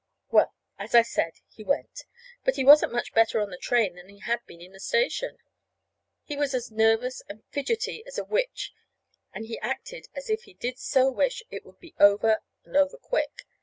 Well, as I said, he went. But he wasn't much better on the train than he had been in the station. He was as nervous and fidgety as a witch, and he acted as if he did so wish it would be over and over quick.